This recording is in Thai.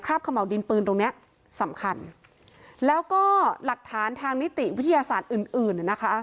ขม่าวดินปืนตรงเนี้ยสำคัญแล้วก็หลักฐานทางนิติวิทยาศาสตร์อื่นอื่นนะคะ